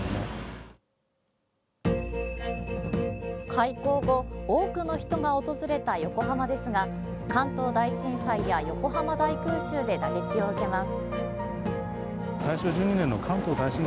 開港後、多くの人が訪れた横浜ですが関東大震災や横浜大空襲で打撃を受けます。